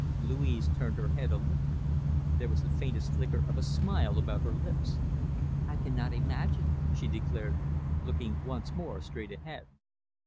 Louise turned her head a little. There was the faintest flicker of a smile about her lips. "I cannot imagine," she declared, looking once more straight ahead.